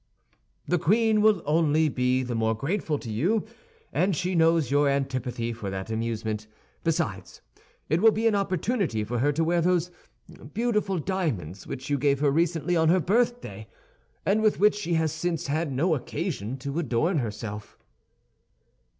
"The queen will only be the more grateful to you, as she knows your antipathy for that amusement; besides, it will be an opportunity for her to wear those beautiful diamonds which you gave her recently on her birthday and with which she has since had no occasion to adorn herself."